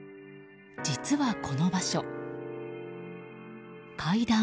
実はこの場所、階段。